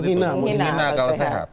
menghina akal sehat